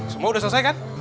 semua udah selesai kan